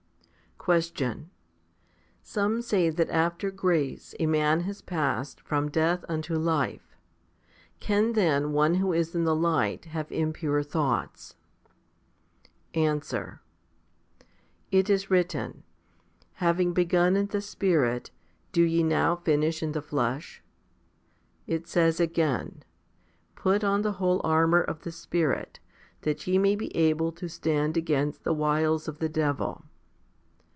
13. Question. Some say that after grace a man has passed from death unto life. Can then one who is in the light have impure thoughts? Answer. It is written, Having begun in the Spirit, do ye now finish in the flesh ? 4 It says again, Put on the whole armour of the Spirit, that ye may be able to stand against the wiles of the devil?